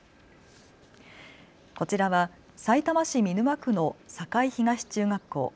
こちらはさいたま市見沼区の栄東中学校。